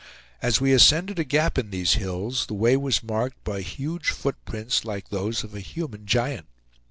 As we ascended a gap in these hills, the way was marked by huge foot prints, like those of a human giant.